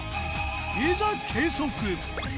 いざ計測！